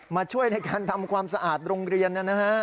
มาช่วยในการทำความสะอาดโรงเรียนนะฮะ